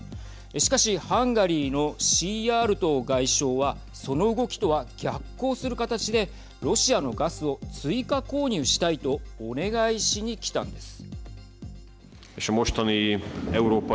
しかし、ハンガリーのシーヤールトー外相はその動きとは逆行する形でロシアのガスを追加購入したいとお願いしに来たんです。